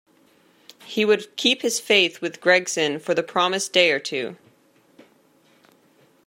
He would keep his faith with Gregson for the promised day or two.